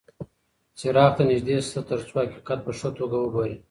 څراغ ته نږدې شه ترڅو حقیقت په ښه توګه وګورې.